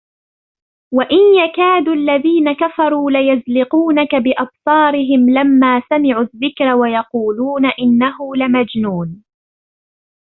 وإن يكاد الذين كفروا ليزلقونك بأبصارهم لما سمعوا الذكر ويقولون إنه لمجنون